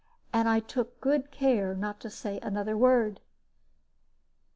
And I took good care not to say another word.